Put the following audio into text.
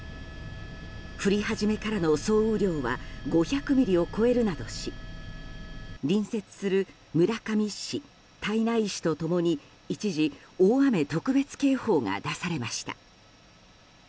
降り始めからの総雨量は５００ミリを超えるなどし隣接する村上市、胎内市と共に一時、大雨特別警報が出されました。